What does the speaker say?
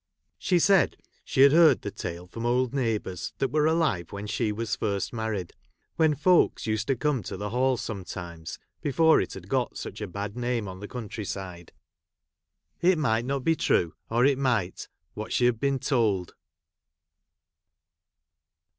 She said she had heard the tale from old | neighbours, that were alive when she was ! first married ; when folks used to come to the j hall sometimes,„before it had got such a bad I name on the country side : it might not be ! true, or it might, what she had been told.